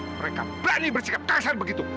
mereka berani bersikap kasar begitu